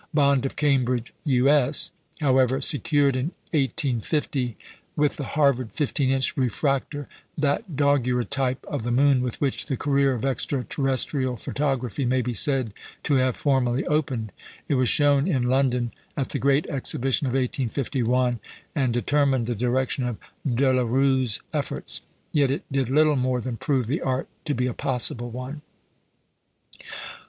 Bond of Cambridge (U.S.), however, secured in 1850 with the Harvard 15 inch refractor that daguerreotype of the moon with which the career of extra terrestrial photography may be said to have formally opened. It was shown in London at the Great Exhibition of 1851, and determined the direction of De la Rue's efforts. Yet it did little more than prove the art to be a possible one.